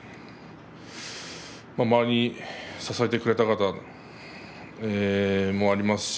周りに支えてくれた方もありますし